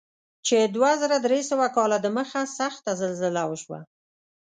چې دوه زره درې سوه کاله دمخه سخته زلزله وشوه.